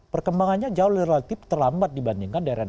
perkembangannya jauh relatif terlambat dibandingkan daerah daerah